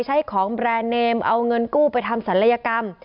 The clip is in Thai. ใช้ของแบรนด์เนมเอาเงินกู้ไปทำศัลยกรรม